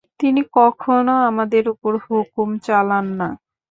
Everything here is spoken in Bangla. তিনি কখনও আমাদের উপর হুকুম চালান না।